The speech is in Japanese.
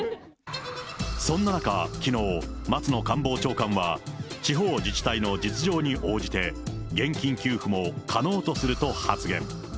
そんな中、きのう、松野官房長官は、地方自治体の実情に応じて、現金給付も可能とすると発言。